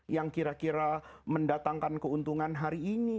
yang kira kira mendatangkan keuntungan hari ini